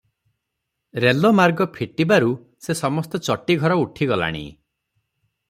ରେଲମାର୍ଗ ଫିଟିବାରୁ ସେ ସମସ୍ତ ଚଟି ଘର ଉଠିଗଲାଣି ।